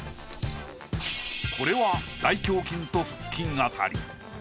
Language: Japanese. これは大胸筋と腹筋辺り。